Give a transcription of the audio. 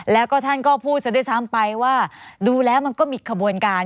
แล้วก็ท่านก็พูดซะด้วยซ้ำไปว่าดูแล้วมันก็มีขบวนการ